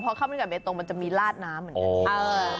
พอข้าวมันกับไก่เบตตงมันจะมีราดน้ำเหมือนกัน